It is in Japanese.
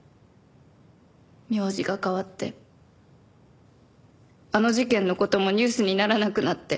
名字が変わってあの事件の事もニュースにならなくなって。